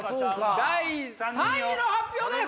第３位の発表です！